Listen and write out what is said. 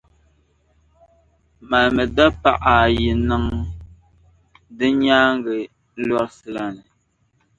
mali dapaɣa ayi niŋ di nyaaŋa lɔrisi la ni.